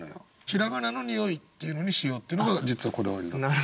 平仮名の「におい」っていうのにしようっていうのが実はこだわり。